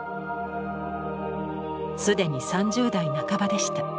すでに３０代半ばでした。